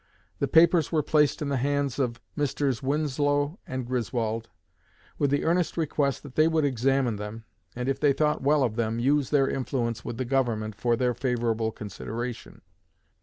The papers were placed in the hands of Messrs. Winslow and Griswold, with the earnest request that they would examine them, and, if they thought well of them, use their influence with the Government for their favorable consideration.